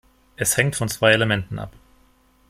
Es hängt von zwei Elementen ab.